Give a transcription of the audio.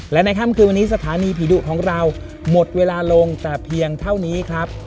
และในค่ำคืนวันนี้สถานีผีดุของเราหมดเวลาลงแต่เพียงเท่านี้ครับ